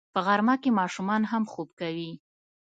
په غرمه کې ماشومان هم خوب کوي